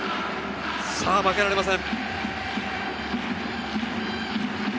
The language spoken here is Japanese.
負けられません。